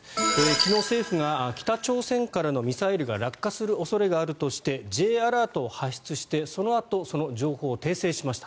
昨日、政府が北朝鮮からのミサイルが落下する恐れがあるとしてＪアラートを発出してそのあとその情報を訂正しました。